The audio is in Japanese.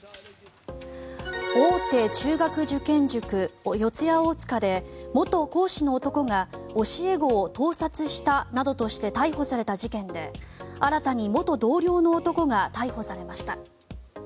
大手中学受験塾、四谷大塚で元講師の男が教え子を盗撮したなどとして逮捕された事件で新たに元同僚の男が逮捕されました。